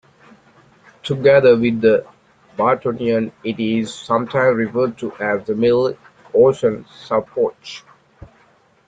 Together with the Bartonian it is sometimes referred to as the Middle Eocene subepoch.